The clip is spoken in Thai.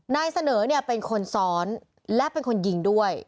นายเสนอเนี่ยเป็นคนซ้อนและเป็นคนยิงด้วย